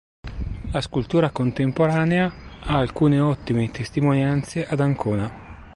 La scultura contemporanea ha alcune ottime testimonianze ad Ancona.